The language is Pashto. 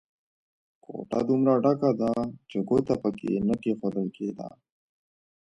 کوټه دومره ډکه ده چې ګوته په کې نه کېښول کېده.